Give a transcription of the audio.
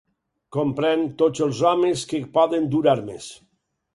comprèn tots els homes que poden dur armes